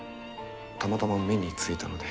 たまたま目についたので。